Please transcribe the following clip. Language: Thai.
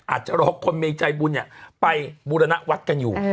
อาจจะรอคนมีใจบุญไปบูรณวัฒน์กันอยู่